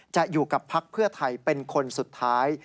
จะอยู่กับพักเพื่อไทยเป็นคนสุดท้าย